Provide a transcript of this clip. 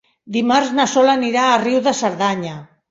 Dimarts na Sol anirà a Riu de Cerdanya.